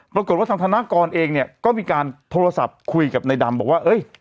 ปรากฏว่าทางธนากรเองเนี่ยก็มีการโทรศัพท์คุยกับนายดำบอกว่า